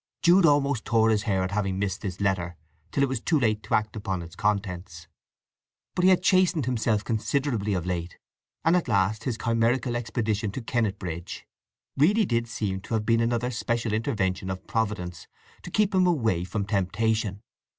Jude almost tore his hair at having missed this letter till it was too late to act upon its contents; but he had chastened himself considerably of late, and at last his chimerical expedition to Kennetbridge really did seem to have been another special intervention of Providence to keep him away from temptation.